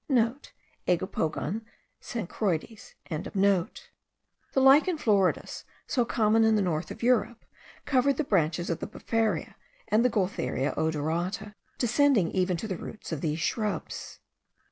*(* Aegopogon cenchroides.) The Lichen floridus, so common in the north of Europe, covered the branches of the befaria and the Gualtheria odorata, descending even to the roots of these shrubs.